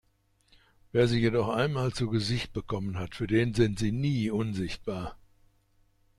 Wer sie jedoch einmal zu Gesicht bekommen hat, für den sind sie nie unsichtbar.